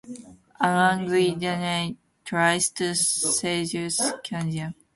An angry Diana tries to seduce Celinda (whilst Celinda is in male disguise).